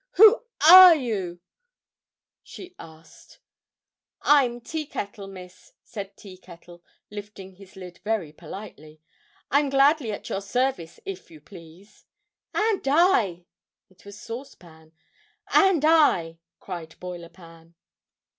Why, who are you?" she asked. "I'm Tea Kettle, Miss," said Tea Kettle, lifting his lid very politely. "I'm gladly at your service, if you please." "And I!" It was Sauce Pan. "And I!" cried Boiler Pan.